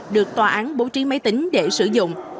được tòa án bố trí máy tính để sử dụng